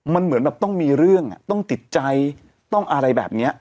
มันเหมือนแบบต้องมีเรื่องต้องติดใจต้องอะไรแบบนี้